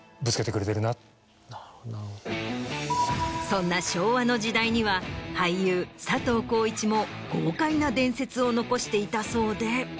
そんな昭和の時代には俳優佐藤浩市も豪快な伝説を残していたそうで。